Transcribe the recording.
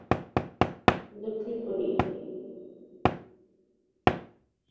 এই অঞ্চলটি কোরীয় উপদ্বীপে অবস্থিত।